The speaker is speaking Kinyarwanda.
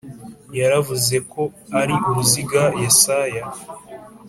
yaravuze ko ari uruziga Yesaya